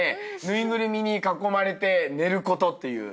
縫いぐるみに囲まれて寝ることっていう。